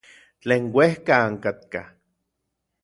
Tlen uejka ankatkaj.